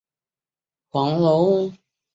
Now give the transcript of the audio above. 最后黄蓉再把软猬甲传给女儿郭芙了。